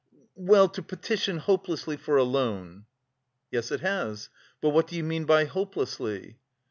well, to petition hopelessly for a loan?" "Yes, it has. But what do you mean by hopelessly?"